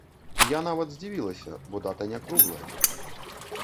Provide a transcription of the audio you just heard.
Я нават здзівілася, бо дата не круглая.